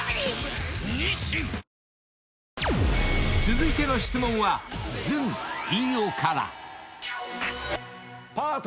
［続いての質問はずん飯尾から］